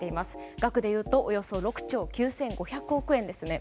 額でいうとおよそ６兆９５００億円ですね。